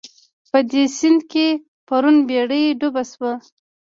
په دې سيند کې پرون بېړۍ ډوبه شوه